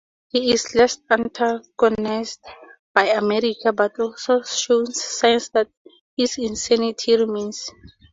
He is less antagonized by America, but also shows signs that his insanity remains.